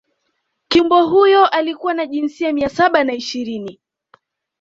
kiumbe huyo alikuwa na jinsia mia saba na ishirini